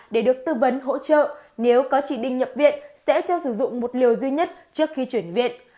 để được tư vấn hỗ trợ nếu có chỉ định nhập viện sẽ cho sử dụng một liều duy nhất trước khi chuyển viện